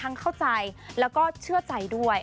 เข้าใจแล้วก็เชื่อใจด้วย